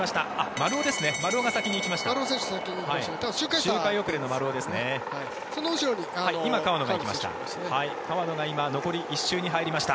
丸尾が先に行きました。